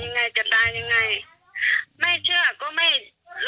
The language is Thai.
ตัวนี้นะคะเพราะว่าหนูจะให้เหมือนกับว่าหนูจะสื่อสารหนูจะช่วยตำรวจด้วย